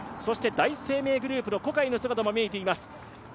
第一生命グループの小海の姿も見えています。